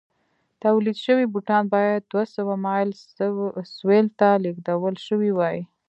تولید شوي بوټان باید دوه سوه مایل سویل ته لېږدول شوي وای.